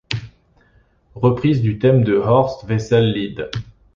Reprise du thème du Horst-Wessel-Lied.